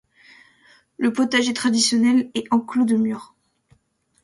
Le potager traditionnel est enclos de murs.